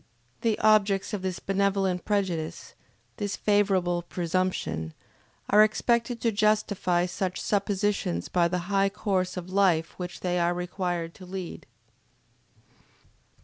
The objects of this benevolent prejudice, this favorable presumption, are expected to justify such suppositions by the high course of life which they are required to lead.